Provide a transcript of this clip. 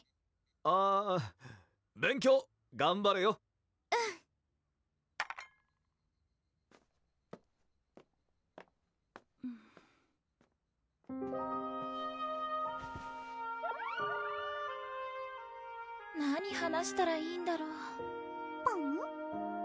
あぁ勉強がんばれようん何話したらいいんだろうパム？